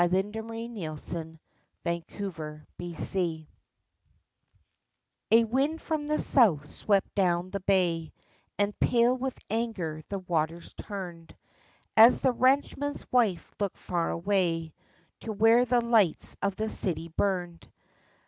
IVhy Santa Claus Forgot, A wind from the south swept down the bay And pale with anger the waters turned As the ranchman's wife looked far away To where the lights of the city burned.